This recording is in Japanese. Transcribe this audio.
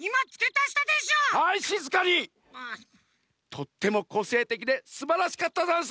とってもこせいてきですばらしかったざんす！